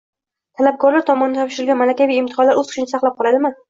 Talabgorlar tomonidan topshirilgan malakaviy imtihonlar o‘z kuchini saqlab qoladimi?